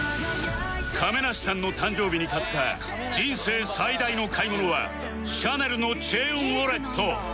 亀梨さんの誕生日に買った人生最大の買い物はシャネルのチェーンウォレット